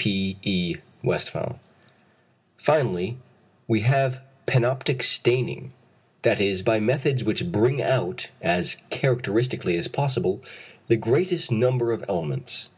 (Cp. E. Westphal.) Finally, we have panoptic staining; that is, by methods which bring out, as characteristically as possible, the greatest number of elements.